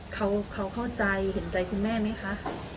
เขาเข้าใจเห็นใจคุณแม่ไหมคะ